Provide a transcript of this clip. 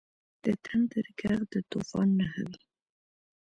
• د تندر ږغ د طوفان نښه وي.